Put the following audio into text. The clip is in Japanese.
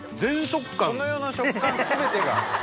この世の食感全てが。